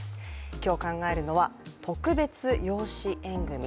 今日考えるのは、特別養子縁組。